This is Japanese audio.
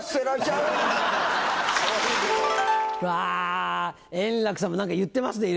うわ円楽さんも何か言ってますねいろいろ。